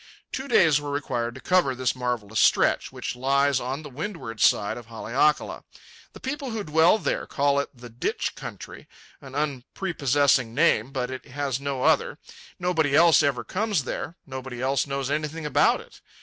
Two days were required to cover this marvellous stretch, which lies on the windward side of Haleakala. The people who dwell there call it the "ditch country," an unprepossessing name, but it has no other. Nobody else ever comes there. Nobody else knows anything about it.